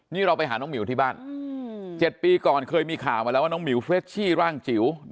นี่เราไปหาน้องหมิวที่บ้าน๗ปีก่อนเคยมีข่าวมาแล้วว่าน้องหมิวเฟรชชี่ร่างจิ๋ว